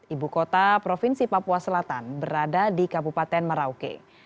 ibu kota provinsi papua selatan berada di kabupaten merauke